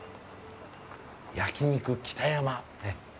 焼肉北山。